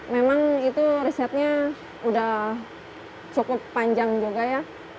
memang itu risetnya udah cukup panjang juga ya